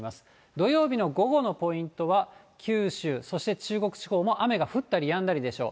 土曜日の午後のポイントは、九州、そして中国地方も雨が降ったりやんだりでしょう。